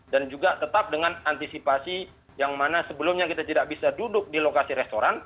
dan juga tetap dengan antisipasi yang mana sebelumnya kita tidak bisa duduk di lokasi restoran